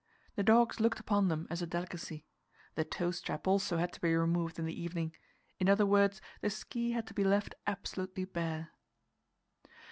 The dogs looked upon them as a delicacy. The toe strap also had to be removed in the evening; in other words, the ski had to be left absolutely bare.